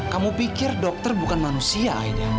kamu pikir dokter bukan manusia akhirnya